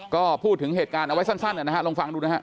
ก็พูดถึงเหตุการณ์เอาไว้สั้นนะฮะลองฟังดูนะฮะ